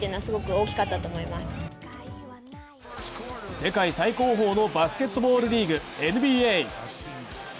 世界最高峰のバスケットボールリーグＮＢＡ。